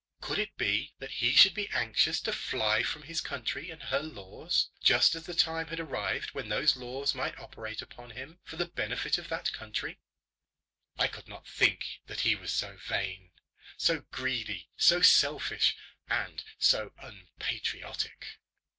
Could it be that he should be anxious to fly from his country and her laws, just as the time had arrived when those laws might operate upon him for the benefit of that country? I could not think that he was so vain, so greedy, so selfish, and so unpatriotic.